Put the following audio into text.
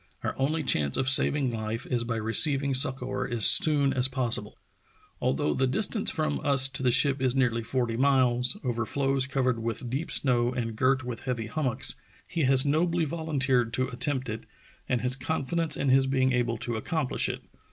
Our only chance of saving life is by receiving succor as soon as possible. Although the distance from us to the ship is nearly forty miles, over floes covered with deep snow and girt with heavy hummocks, he has nobly volunteered to attempt it, and has con fidence in his being able to accomplish it.